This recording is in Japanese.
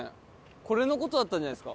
これの事だったんじゃないですか。